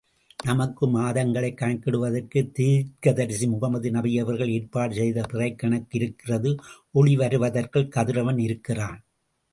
நமக்கு மாதங்களைக் கணக்கிடுவதற்கு தீர்க்கதரிசி முகமது நபியவர்கள் ஏற்பாடு செய்த பிறைக்கணக்கு இருக்கிறது, ஒளி வருவதற்குக் கதிரவன் இருக்கிறான்.